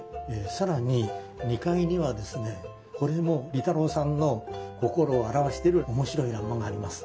更に２階にはですねこれも利太郎さんの心を表してる面白い欄間があります。